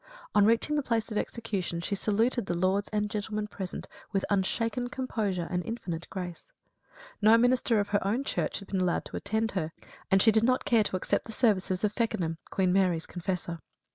On reaching the place of execution she saluted the lords and gentlemen present with unshaken composure and infinite grace. No minister of her own Church had been allowed to attend her, and she did not care to accept the services of Feckenham, Queen Mary's confessor.